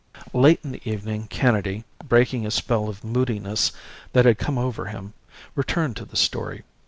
Late in the evening Kennedy, breaking a spell of moodiness that had come over him, returned to the story.